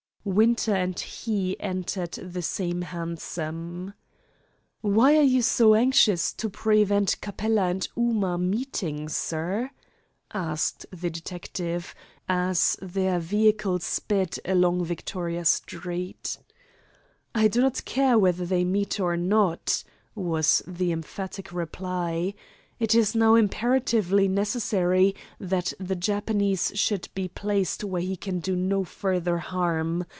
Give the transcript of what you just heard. Winter and he entered the same hansom. "Why are you so anxious to prevent Capella and Ooma meeting, sir?" asked the detective, as their vehicle sped along Victoria Street. "I do not care whether they meet or not," was the emphatic reply. "It is now imperatively necessary that the Japanese should be placed where he can do no further harm.